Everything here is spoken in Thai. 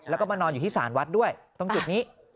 แล้วก็มานอนอยู่ที่สารวัดด้วยตรงจุดนี้